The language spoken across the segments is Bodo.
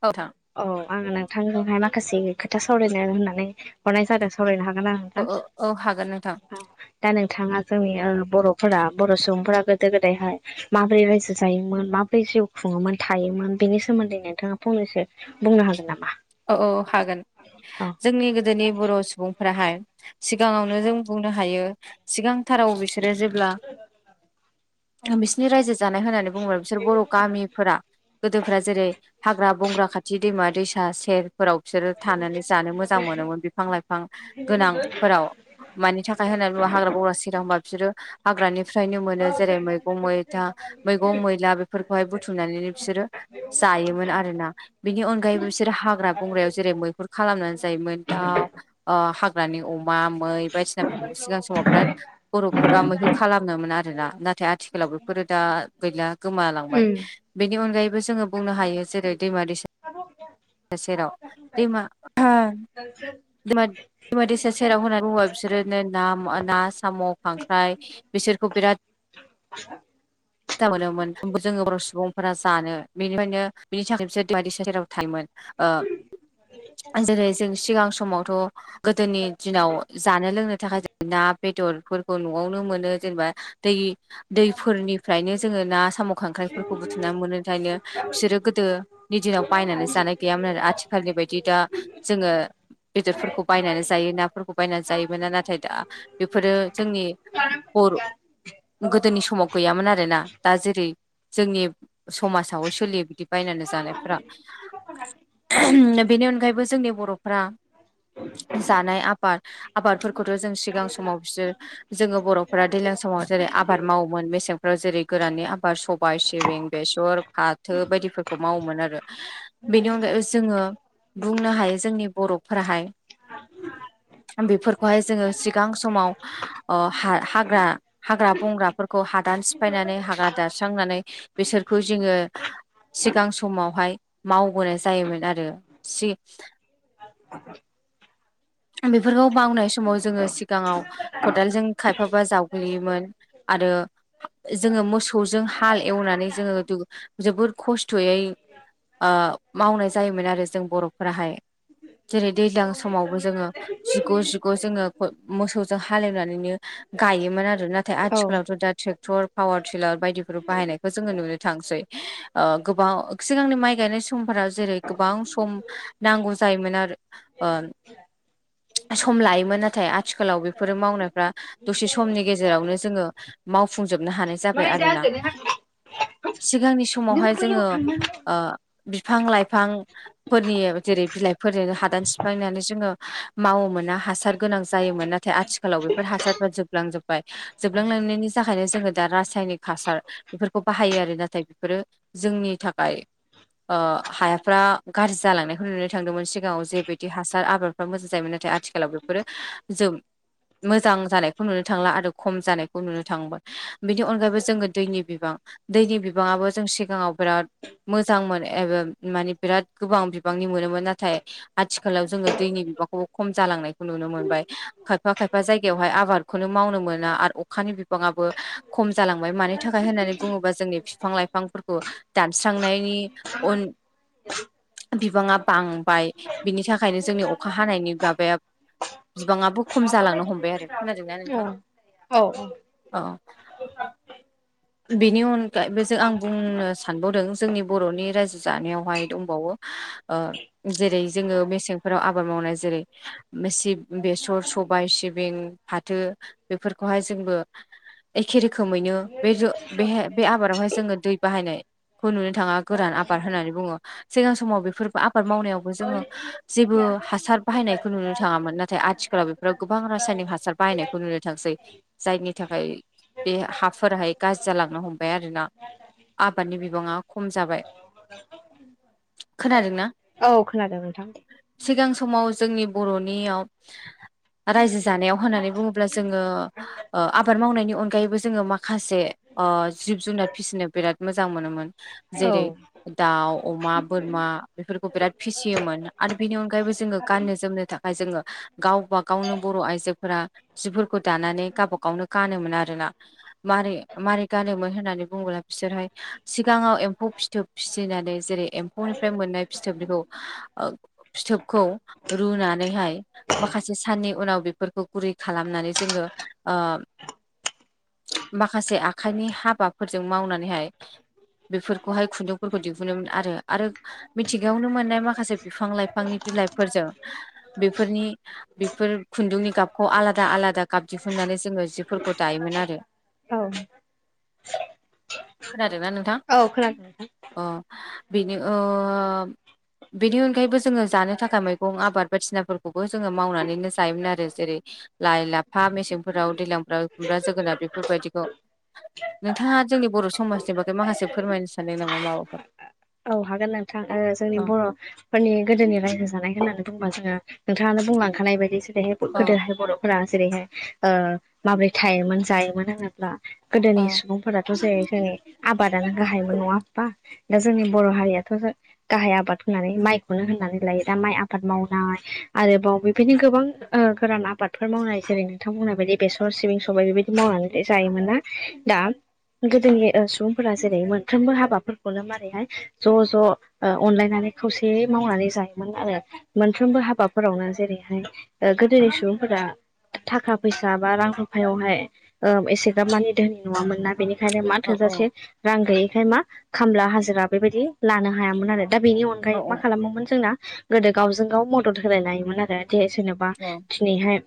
औ नोंथां औ आं नोंथांजोंहाय माखासे खोथा सावरायनो होननानै हरनाय जादों सावरायनो हागोन ना औ नोंथां औ औ हागोन नोंथां औ दा नोंथाङा जोंनि बर'फोरा बर' सुबुंफोरा गोदो गोदायहाय माबोरै रायजो जायोमोन माबोरै जिउ खुङोमोन थायोमोन बेनि सोमोन्दैनो नोथाङा फंनैसो बुंनो हागोन नामा? औ औ हागोन अ जोंनि गोदोनि बर' सुबुंफ्राहाय सिगाङावनो जों बुंनो हायो सिगांथाराव बिसोर बिसोरो जेब्ला बिसोरनि रायजो जानाय होननानै बुङोब्ला बिसोर बर' गामिफोरा गोदोफ्रा जेरै हाग्रा बंग्रा खाथि दैमा दैसा सा सेरफोराव बिसोरो थानानै जानो मोजां मोनोमोन बिफां लाइफां गोनांफोराव मानि थाखाय होननानै बुंबा हाग्रा बंग्रा होनबा बिसोरो हाग्रानिफ्रायनो मोनो जेरै मैगं मैथा मैगं मैला बेफोरखौहाय बुथुमनानैनो बिसोरो जायोमोन आरोना बेनि अनगायैबो बिसोरो हाग ग्रा बंग्रायाव जेरै मैहुर खालामनानै जायोमोन दाउ हाग्रानि अमा मै बायदिसिनाफोरखौ सिगां समाव बिराद बर'फोरा मैहोर खालामनोमोन आरोना नाथाय आथिखालाव बेफोरो दा गैला गोमालांबाय। उम बेनि अनगायैबो जोङो बुंनो हायो जेरै दैमा दैसा बे सेराव दैमा [inaudible] दैमा दैसा सेराव होना बुङो बिसोरनो ना ना साम', खांख्राइ, बिसोरखौ बिराद मोजां मोनोमोन जोङो बर' सुबुंफोरा जानो बेनिफ्रायनो बिनि थाखाय बिसोर दैमा दैसा सेराव थायोमोन। ओ जेरै जों सिगां समावथ' गोदोनि दिनाव जानो लोंनो थाखाय ना बेदरफोर खौ न'आवनो मोनो जेनेबा दै दैफोरनिफ्रायनो जोङो ना साम' खांख्राइफोरखौ बुथुमना मोनोखायनो बिसोरो गोदो नि दिनाव बायनानै जानाय गैयामोन आरो आथिखालनि बायदि दा जोङो बेदरफोरखौ बायनानै जायो नाफोरखौ बायनानै जायोमोना नाथाय दा बेफोरो जोंनि बर' गोदोनि समाव गैयामोन दा जेरै जोंनि समाजाव सोलियो बिदि बायनानै जानायफोरा। बेनि अनगायैबो जोंनि बर'फ्रा जानाय आबाद आबादफोरखौथ' जों सिगां समाव बिसोर जोङो बर'फोरा दैज्लां समाव जेरै आबाद मावोमोन मेसें फोराव जेरै गोराननि आबाद सबायाइ सिबिं बेसर फाथो बायदिफोरखौ मावोमोन आरो। बेनि अनगायै जोङो बुंनो हायो जोंनि बर'फोराहाय बेफोरखौहाय जोङो सिगां समाव ओ हा-हाग्रा हाग्रा बंग्राफोरखौ हादान सिफायनानै हाग्रा दानस्रांनानै बिसोरखौ जोङो सिगां समावहाय मावबोनाय जायोमोन आरो सि बेफोरखौ बावनाय समाव जोङो सिगाङाव खदालजों खायफाबा जावग्लियोमोन आरो जोङो मोसौजों हाल एवनानै जोङो जोबोद खस्थ'यै ओ मावनाय जायोमोन आरो जों बर'फोराहाय जेरै दैज्लां समाव बो जोङो जिग' जिग' जोङो फो मोसौजों हालेवनानैनो गायोमोन आरो नाथाय औ आथिखालावथ' दा ट्रेक टर पावार टिलार बायदिफोर बाहायनायखौ जोङो नुनो थांसै‌। ओ गोबाव सिगांनि माइ गायनाय समफोराव जेरै गोबां सम नांगौ जायोमोन आरो ओ सम लायोमोन नाथाय आथिखालाव बेफोरो मावनायफ्रा दसे समनि गेजेरावनो जोङो मावफुंजोबनो हानाय जाबाय नै आरोना जाखो नोंहा सिगांनि नों समावहाय बैयाव जोङो थांनांगौ ओ बिफां लाइफां फोरनि जेरै बिलाइफोरजोंनो हादान सिफायनानै जोङो मावोमोना हासार गोनां जायोमोन नाथाय आथिखालाव बेफोर हासारफ्रा जोबलांजोबबाय। जोबलांलांनायनि थाखायनो जोङो दा रासायनिक हासार बेफोरखौ बाहायो आरो बेफोरो जोंनि थाखाय ओ हायाफ्रा गाज्रि जालांनायखौ नुनो थांदोंमोन सिगाङाव जे बिदि हा सार आबादफ्रा मोजां जायोमोन नाथाय आथिखालाव बेफोरो जों मोजां जानायखौ नुनो थांला आरो खम जानायखौ नुनो थांबाय बेनि अनगायैबो जोङो दैनि बिबां दैनि बिबाङाबो जों सिगाङाव बिराद मोजांमोन एबा माने बिराद गोबां बिबांनि मोनोमोन नाथाय आथिखालाव जोङो दैनि बिबारखौबो खम जालांनायखौ नुनो मोनबाय। खायफा खायफा जायगायावहाय आबादखौनो मावनो मोना आरो अखानि बिबाङाबो खम जालांबाय मानि थाखाय होननानै बुङोबा जोंनि बिफां लाइफांफोरखौ दानस्रांनायनि उन बिबाङा बांबाय बिनि था ओंखायनो जोंनि अखा हानायनि माबाया बिबाङाबो खम जालांनो हमबाय खोनादोंना औ नोंथां औ औ बेनि अनगायै बेजों आं बुंनो सानबावदों जोंनि बर'नि रायजो जानायावहाय दंबावो ओ जेरै जोङो मेसेंफोराव आबाद मावनाय जेरै मेसिद बेसर सबाय सिबिं फाथो बेफोरखौहाय जोंबो एखे रोखोमैनो बे बेहाय बे आबादावहाय जोङो दै बाहायनायखौ नुनो आबाद होननानै बुङो सिगां समाव बेफोरबो आबाद मावनायावबो जोङो जेबो हासार बाहायनायखौ नुनो थाङामोन नाथाय आथिखालाव बे बेाव गोबां रासायनिक हासार बाहायनायखौ नुनो थांसै जायनि थाखाय बे हाफोराहाय गाज्रि जालांनो हमबाय आरोना आबादनि बिबाङा खम जाबाय खोनादों ना औ खोनादों नोंथां सिगां समाव जोंनि बर'नियाव रायजो जानायाव होननानै बुङोब्ला जोङो ओ आबाद मावनायनि अनगायैबो जोङो माखासे ओ जिब जुनार फिसिनो बिराद मोजां मोनोमोन औ जेरै दाउ अमा बोरमा बेफोरखौ बिराद फिसियोमोन आरो बेनि अनगायैबो जोङो गाननो जोमनो थाखाय जोङो गावबा गावनो बर' आइजोफोरा जिफोरखौ दानानै गावब गावनो गानोमोन आरोना मारै मारै गानोमोन होननानै बुङोब्ला बिसोरहाय सिगाङाव एम्फौ फिथोब फिसिनानै जेरै एफौनिफ्राय मोननाय फिथोब बेखौ फिथोबखौ रुनानैहाय माखासे साननि उनाव बेफोरखौ गुरै खालामनानै जोङो ओ माखासे आखाइनि हाबाफोरजों मावनानैहाय बेफोरखौहाय खुन्दुंफोरखौ दिहुनोमोन आरो आरो मिथिगायावनो मोननाय माखासे बिफां लाइफांनि बिलाइफोरजों बेफोरनि बेफोर खुन्दुंनि गाबखौ आलादा आलादा गाब दिहुननानै जोङो जिफोरखौ दायोमोन आरो औ खोनादों ना नोंथां? औ खोनादों नोंथां। अ बेनो ओ बेनि अनगायैबो जोङो जानो थाखाय मैगं आबाद बायदिसिनाफोरखौबो जोङो मावनानैनो जायोमोन आरो जेरै लाइ लाफा मेसेंफोराव दैलांफोराव खुमब्रा जोगोनार बेफोरबायदि नोंथाङा जोंनि बर' समाजनि बागै माखासे फोरमायनो सानदों नामा माबाफोर? औ हागोन नोंथां। जोंनि अ बर' फोरनि गोदोनि रायजो जानाय होन्नानै बुंयोबा जोङो नोंथाङानो बुंलांखानाय बायदि जेरैहाय अ गोदोहाय बर'फोरा जेरैहाय ओ माब्रै थायोमोन जायोमोन होनङोब्ला अ गोदोनि सुबुंफोराथ' जेर जों आबादानो गाहायबो नङा होमबा? दा जोंनि बर'हारिआ थ' गाहाय आबाद होननानै माइखौनो होननानै लायो दा माइ आबाद मावनाय आरोबाव बेबायनो गोबां ओ गोरान आबादफोर मावनाय जेरै नोंथांमोनहा बायदि बेसर सिबिं सबाय बेबायदि मावनानै जायोमोन ना दा गोदोनि ओ सुबुंफोरा मोनफ्रोमबो हाबाफोरखौबो मारैहाय ज' ज' अनलायनानै खौसेयै मावनानै जायोमोन आरो। मोनफ्रोमबो हाबाफोरावनो जेरैहाय गोदोनि सुबुंफोरा थाखा फैसा बा रां रुफायावहाय एसेग्राब मानि दोनि नङामोना बेनि खायनो मा अ अ थोजासे रां गैयैखाय मा खामला हाजिरा बेबायदि लानो हायामोन आरो दा बेनि अ अनगायै मा उम खालामोमोन जोंना गोदो गावजों गाव मदद होलाय लायोमोन आरो जे सोरनोबा अ जेरैहाय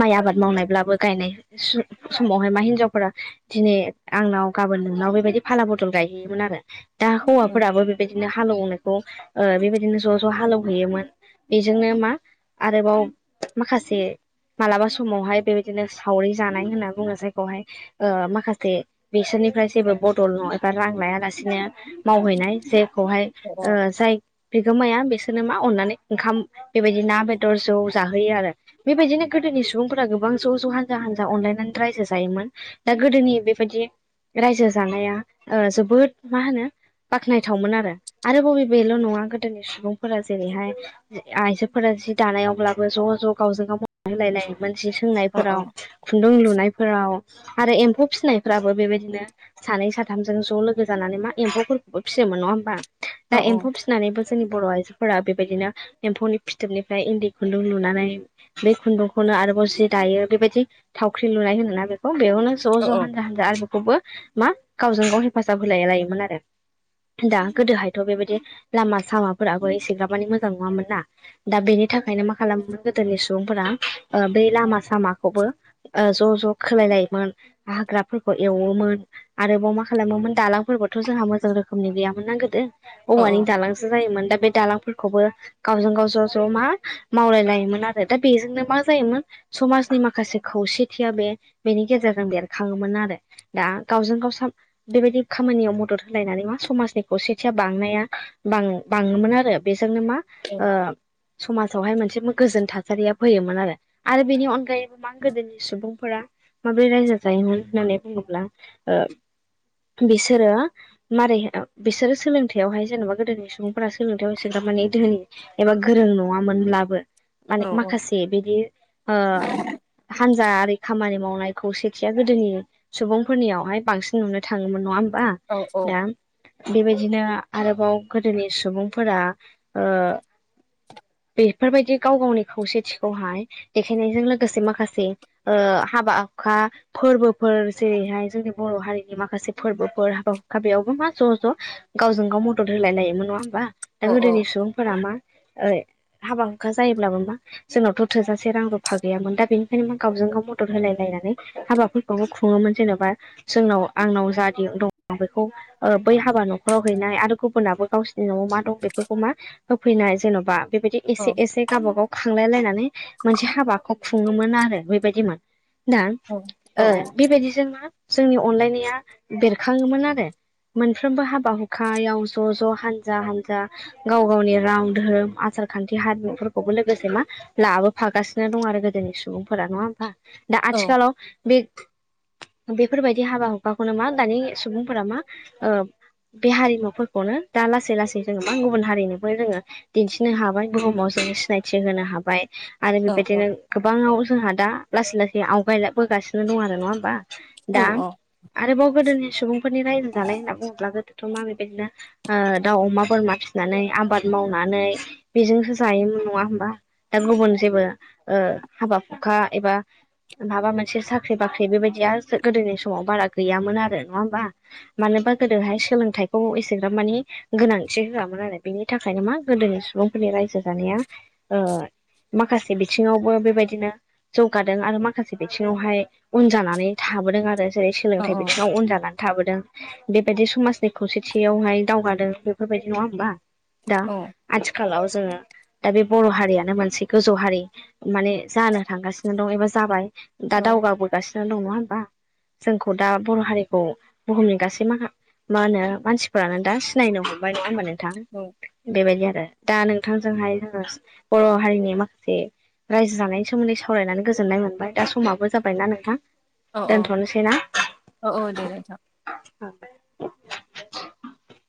माइ आबाद मावनायब्लाबो गायनाय समावहाय मा हिनजावफोरा- दिनै आंनाव गाबोन नोंनाव बेबायदि फाला बथल गायहैयोमोन। आरो दा हौवाफोराबो बेदिनो हालेवनायखौ ओ बेबायदिनो ज' ज' हालेवहैयोमोन। बेजोंनो मा आरोबाव माखासे मालाबा समावहाय बेबायदिनो सावरि जानाय होनना बुङो जायखौहाय ओ माखासे बिसोरनिफ्राय जेबो बदल नङ एबा रां लायालासिनो मावहैनाय जेखौहाय ओ अ जाय बिगोमाया बिसोरनो मा अननानै ओंखाम बेबायदि ना बेदर जौ जाहोयो आरो। बेबायदिनो गोदोनि सुबुंफोरा गोबां ज' ज' हानजा हानजा अनलायनानै रायजो जायोमोन। दा गोदोनि बेबायदि रायजो जानाया ओ जोबोद मा होनो बाख्नायथावमोन आरो। आरो बबे बेल' नङा गोदोनि सुबुंफोरा जेरैहाय- आइजोफोरा जि दानायावब्लाबो ज' ज' गावजों गाव होलाय लायोमोन जि सोंनाय अ फोराव। खुन्दुं लुनायफोराव आरो एम्फौ फिसिनायफ्राबो बेबायदिनो सानै साथामजों ज' लोगो जानानै मा एम्फौफोरखौबो फिसियोन नङा होमबा दा अ एम्फौ फिनानैबो जोंनि बर' आइजोफोरा बेबायदिनो एम्फौनि फिथोबनिफ्राय इन्दि खुन्दुं लुनानै बे खुन्दुंखौनो आरोबाव जि दायो बेबायदि थावख्रि लुनाय होनोना बेखौ बेयावनो ज' अ ज' हानजा हानजा आरो बेखौबो मा गावजों गाव हेफाजाब होलाय लायोमोन आरो। दा गोदोहायथ' बेबायदि लामा सामाफोराबो एसेग्र मानि मोजां नङामोन ना? दा बेनि थाखायनो मा खालामोमोन गोदोनि सुबुंफोरा ओ बे लामा सामाखौबो- ओ ज' ज' खोलायलायोमोन हाग्राफोरखौ एवोमोन आरोबाव मा खालामोमोन दालांफोरखौथ' थ' जोंहा मोजां गैयामोन ना गोदो औवानि दालांसो जायोमोन। बे दालां फोरखौबो गावजों गाव ज' ज' मा मावलाय लायोमोन आरो दा बेजोंनो मा जायोमोन समाजनि माखासे खौसेथिया बे बेनि गेजेरजों बेरखाङोमोन। आरो दा गावजों गाव [unintelligible] बेबायदि खामानियाव मथे मदद होलायनानै मा समाजनि खौसेथिया बांनाया बाङोमोन आरो बेजोंनो मा ओ समाजावहाय मोनसे गोजोन थासारिया फैयोमोन। आरो आरो बेनि अनगायैबो मा गोदोनि सुबुंफोरा माब्रै रायजो जायोमोन होननानै बुङोब्ला बिसोरो मारै बिसोरो सोलोंथायाइावहाय जेन'बा गोदोनि सुबुंफोरा सोलोंथायाइाव एसेग्राब माने [unintelligible] धोन एबा गोरों नंआ मोन ब्लाबो अ माने औ माखासे बिदि हानजा आरि खामानि मावनायखौ सेथिया गोदोनि सुबुंफोरनियावहाय बांसिन नुनो थाङोमोन नङा होमबा। औ दा बेबायदिनो आरोबाव गोदोनि सुबुंफोरा ओ- बेफोरबायदि गाव गावनि खौसेथिखौहाय देखायनायजों लोगोसे माखासे ओ हाबा हुखा फोरबोफोर जेरैहाय जोंनि बर' हारिनि माखासे फोरबोफोर औ [unintelligible] मा ज' ज' गावजों गाव मदद होलाय लायोमोन नङा होमबा औ दा गोदोनि सुबुंफोरा मा ओ हाबा हुखा जायोब्लाबो मा जोंनावथ' थोजासे रां रुफा गैयामोन दा बेनिखायनो मा गावजों गाव मदद होलाय लायनानै हाबाफोरखौ बो खुङोमोन जेनेबा जोंनाव आंनाव जा दं बेखौ बै हाबा न'खराव हैनाय आरो गुबुनाबो गावसिनि न'आव मा दं बेफोरखौ मा होफैनाय जेन'बा बेबायदि औ एसे एसे गावबागाव खांलाय लायनानै मोनसे हाबाखौ खुङोमोन आरो बेबायदिमोन। दा औ ओ बेबायदिजों मा जोंनि अनलायनाया बेरखाङोमोन आरो। मोनफ्रोमबो हाबा हुखायाव ज' ज' हानजा हानजा गाव गावनि राव दोरोम आसार खान्थि हारिमुफोरखौबो लोगोसे मा लाबोफागासिनो दं आरो गोदोनि सुबुंफोरा नङा होमबा? दा आथिखालाव बे बेफोरबायदि हाबा हुखाखौनो मा दानि सुबुंफोरा मा ओ बे हारिमुफोरखौनो दा लासै लासै जोङो मा गुबुन हारिनोबो जोङो दिन्थिनो हाबाय बुहुमाव जोङो सिनायथि होनो हाबाय। आरो औ बेबायदिनो गोबाङाव जोंहा दा लासै लासै आवगायबोगासिनो दं आरो नङा होमबा औ दा आरोबाव गोदोनि सुबुंफोरनि रायजो जानाय होनना बुङोब्ला गोदोथ' माबे [unintelligible] ओ दाउ अमा बोरमा फिसिनानै आबाद मावनानै बेजोंसो जायोमोन नङा होमबा? दा गुबुन जेबो ओ हाबा हुखा एबा माबा मोनसे साख्रि बाख्रि बेबायदिया गोदोनि समाव बारा गैयामोन आरो नङा होमबा? मानोबा गोदोहाय सोलोंथाइखौ एसेग्राब माने गोनांथि होआमोन आरो बेनि थाखायनो मा गोदोनि सुबुंफोरनि रायजो जानाया ओ माखासे बिथिङावबो बेबायदिनो जौगादों आरो माखासे बिथिङावहाय उन जानानै थाबोदों आरो जेरै औ सोलोंथाइ बिथिङाव उन जादों ना थाबोदों बेबायदि समाजनि खौसेथियावहाय दावगादों बेफोरबायदि नङा होमबा? दा आथिखालाव जोङो दा बे बर' हारियानो मोनसे गोजौ हारि माने जानो थांगासिनो दं एबा जाबाय। दा दावगाबोगासिनो दङ नङा होनबा जोंखौ दा बर' हारि खौ बुहुमनि गासै मा मा होनो मानसिफोरानो दा सिनायनो हमबाय नंङा होमबानों थां बेबायदि आरो दा नोंथांजोंहाय जोङो बर' हारिनि माखासे रायजो जानायनि सोमोन्दै सावरायनानै गोजोननाय मोनबाय दा समाबो जाबायना नोंथां औ औ दोनथ'नोसै ना औ औ दे नोंथां। [inaudible]